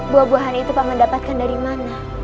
buah buahan itu paman dapatkan dari mana